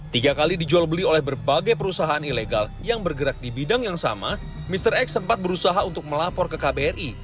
tiga kali dijual beli oleh berbagai perusahaan ilegal yang bergerak di bidang yang sama mr x sempat berusaha untuk melapor ke kbri